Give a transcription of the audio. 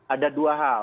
ada dua hal